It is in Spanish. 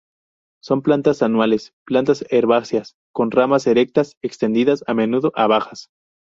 Son plantas anuales, plantas herbáceas con ramas erectas extendidas, a menudo a bajas.